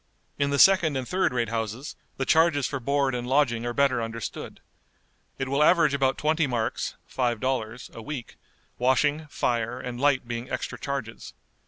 In the second and third rate houses the charges for board and lodging are better understood. It will average about twenty marks (five dollars) a week, washing, fire, and light being extra charges.